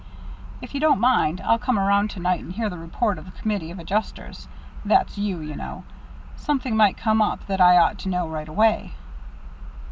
"If you don't mind, I'll come around to night and hear the report of the committee of adjusters. That's you, you know. Something might come up that I ought to know right away."